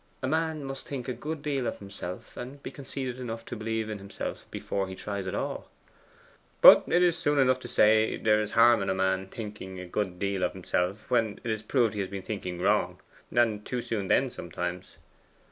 A man must think a good deal of himself, and be conceited enough to believe in himself, before he tries at all.' 'But it is soon enough to say there is harm in a man's thinking a good deal of himself when it is proved he has been thinking wrong, and too soon then sometimes.